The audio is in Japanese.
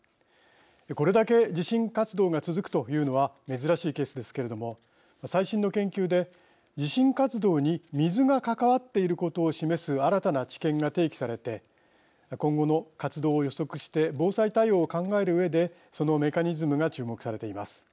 これだけ地震活動が続くというのは珍しいケースですけど最新の研究で地震活動に水が関わっていることを示す新たな知見が提起されて今後の活動を予測して防災対応を考えるうえでそのメカニズムが注目されています。